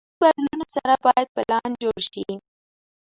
د موسمي بدلونونو سره باید پلان جوړ شي.